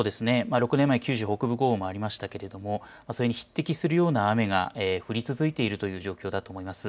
６年前、九州北部豪雨もありましたがそれに匹敵するような雨が降り続いているという状況だと思います。